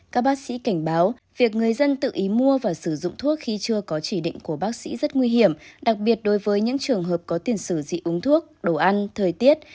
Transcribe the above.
các bác sĩ cảnh báo việc người dân tự ý mua và sử dụng thuốc khi chưa có chỉ định của bác sĩ rất nguy hiểm đặc biệt đối với những trường hợp có tiền sử dị ứng thuốc đồ ăn thời tiết